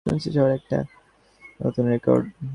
শুনছি শহরে এটা একটা নতুন রেকর্ড।